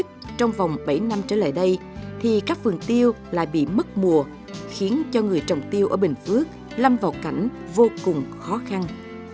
trong vòng bảy năm trở lại đây thì các vườn tiêu lại bị mất mùa khiến cho người trồng tiêu ở bình phước lâm vào cảnh vô cùng khó khăn